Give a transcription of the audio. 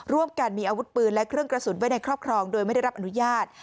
ร่วมกันมีอาวุธปืนและเครื่องกระสุนไว้ในครอบครองโดยไม่ได้รับอนุญาต